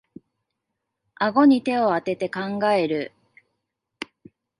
あごに手をあてて考える